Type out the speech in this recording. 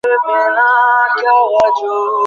শিগগির এটি প্রকাশও হবে কোনো সাময়িকীতে।